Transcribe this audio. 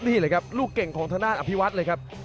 นี่เลยครับลูกเก่งของทางด้านอภิวัตเลยครับ